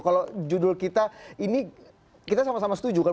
kalau judul kita ini kita sama sama setuju kan